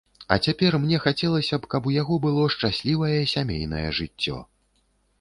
А цяпер, мне хацелася б, каб у яго было шчаслівае сямейнае жыццё.